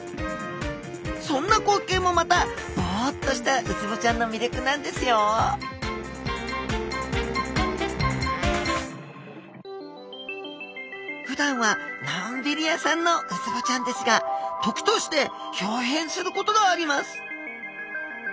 そんな光景もまたボッとしたウツボちゃんの魅力なんですよふだんはのんびり屋さんのウツボちゃんですが時としてひょう変することがあります